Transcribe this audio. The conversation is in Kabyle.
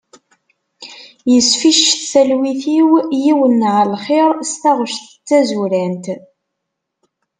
Yesficcet talwit-iw yiwen n ɛelxir s taɣec d tazurant.